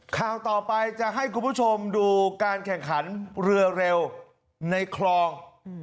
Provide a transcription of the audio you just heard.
ข่าวต่อไปจะให้คุณผู้ชมดูการแข่งขันเรือเร็วในคลอง